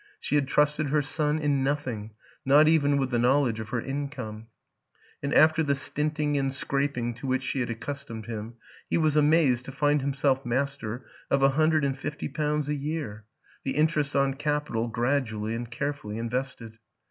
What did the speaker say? She had trusted her son in nothing, not even with the knowledge of her income, and after the stinting and scraping to which she had accustomed him he was amazed to find himself master of a hundred and fifty pounds a year, the interest on capital gradually and care fully invested.